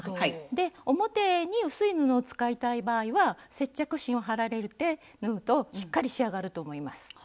で表に薄い布を使いたい場合は接着芯を貼られて縫うとしっかり仕上がると思います。